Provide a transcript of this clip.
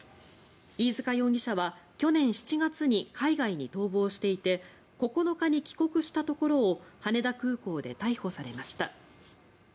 飯塚容疑者は去年７月に海外に逃亡していて９日に帰国したところを羽田空港で逮捕されました。